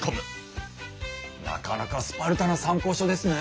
なかなかスパルタな参考書ですね。